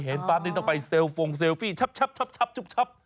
ปั๊บนี่ต้องไปเซลฟงเซลฟี่ชับ